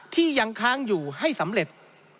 ที่ยังค้างอยู่ให้สำเร็จ